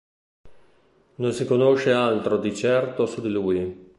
Non si conosce altro di certo su di lui.